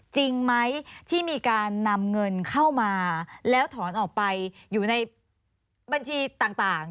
จริงไหมที่มีการนำเงินเข้ามาแล้วถอนออกไปอยู่ในบัญชีต่าง